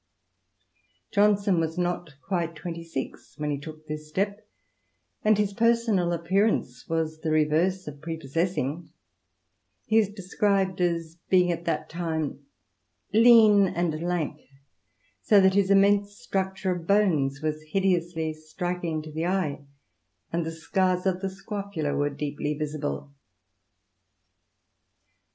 Johnson was not quite twenty six when he took this step, and his personal appear ance was the reverse of prepossessing ; he is described as being at that time "lean and lank, so that his immense stnictLre of bones was hideously striking to the eye, and the SCATS of (he scrofula were deeply visible."